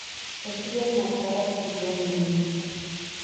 Costillas marcadas y prominentes.